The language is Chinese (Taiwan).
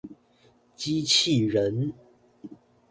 機器人